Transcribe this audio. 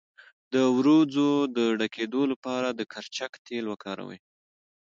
د وروځو د ډکیدو لپاره د کرچک تېل وکاروئ